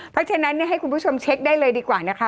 เพราะฉะนั้นให้คุณผู้ชมเช็คได้เลยดีกว่านะคะ